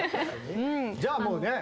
じゃあもうね